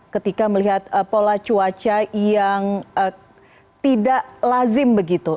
ketika melihat pola cuaca yang tidak lazim begitu